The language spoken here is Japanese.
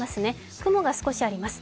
雲も少しありますね。